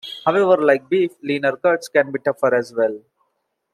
However, like beef, leaner cuts can be tougher as well.